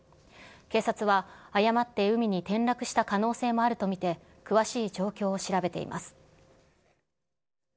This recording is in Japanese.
警察は、誤って海に転落した可能性もあると見て、詳しい状況を調べています。